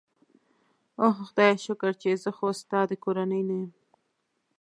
اوه خدایه، شکر چې زه خو ستا د کورنۍ نه یم.